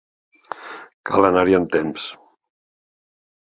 Cal anar-hi amb temps.